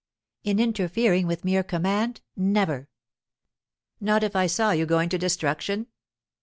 "In interfering with mere command, never." "Not if I saw you going to destruction?"